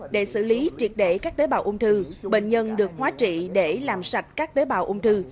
để xử lý triệt để các tế bào ung thư bệnh nhân được hóa trị để làm sạch các tế bào ung thư